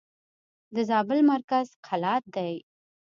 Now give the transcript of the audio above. د زابل مرکز قلات دئ.